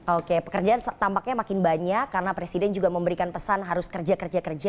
oke pekerjaan tampaknya makin banyak karena presiden juga memberikan pesan harus kerja kerja kerja